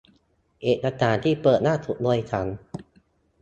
เอกสารที่เปิดล่าสุดโดยฉัน